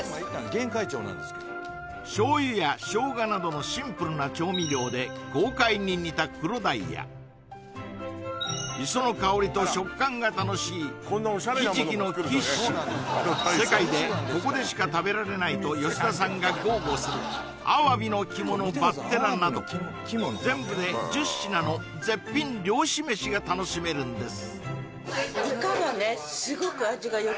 醤油やショウガなどのシンプルな調味料で豪快に煮たクロダイや磯の香りと食感が楽しい世界でここでしか食べられないと吉田さんが豪語する鮑の肝のバッテラなど全部で１０品の絶品漁師飯が楽しめるんです